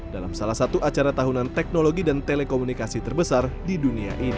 dalam salah satu acara tahunan teknologi dan telekomunikasi terbesar di dunia ini